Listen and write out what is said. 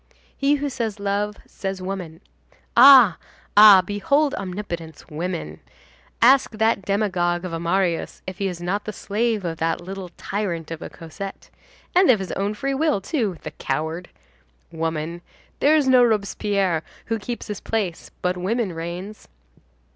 He who says love, says woman. Ah! ah! behold omnipotence—women. Ask that demagogue of a Marius if he is not the slave of that little tyrant of a Cosette. And of his own free will, too, the coward! Woman! There is no Robespierre who keeps his place but woman reigns.